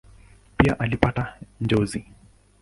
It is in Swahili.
Pia alipata njozi.